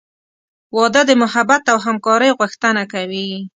• واده د محبت او همکارۍ غوښتنه کوي.